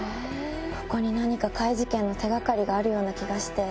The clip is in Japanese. ここに何か怪事件の手掛かりがあるような気がして。